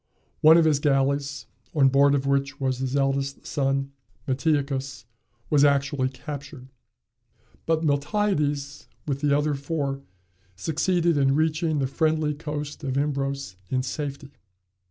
One of his galleys, on board of which was his eldest son Metiochus, was actually captured. But Miltiades, with the other four, succeeded in reaching the friendly coast of Imbros in safety.